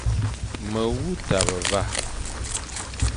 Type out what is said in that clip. Me wu tabe va,